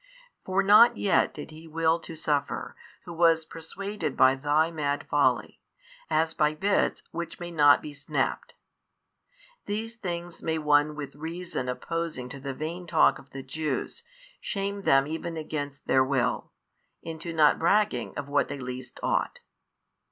For not yet did He will to suffer, Who was persuaded by thy mad folly, as by bits which may not be snapped. These things may one with reason opposing to the vain talk of the Jews, shame them even against their will, into not bragging of what they least ought.